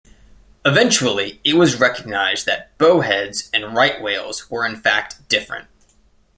Eventually, it was recognized that bowheads and right whales were in fact different.